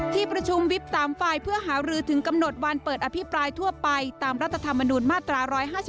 ที่ประชุมวิบ๓ฝ่ายเพื่อหารือถึงกำหนดวันเปิดอภิปรายทั่วไปตามรัฐธรรมนุนมาตรา๑๕๒